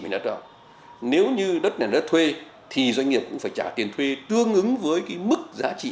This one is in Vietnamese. về đất đai nếu như đất này là đất thuê thì doanh nghiệp cũng phải trả tiền thuê tương ứng với cái mức giá trị